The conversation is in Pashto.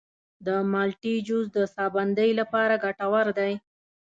د مالټې جوس د ساه بندۍ لپاره ګټور دی.